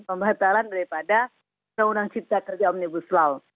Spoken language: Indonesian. pembatalan daripada perundang cipta kerja omnibus law